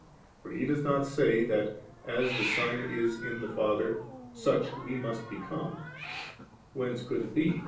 For he does not say, that, as the Son is in the Father, such we must become :— ^whence could it be?